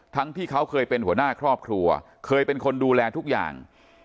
ที่เขาเคยเป็นหัวหน้าครอบครัวเคยเป็นคนดูแลทุกอย่าง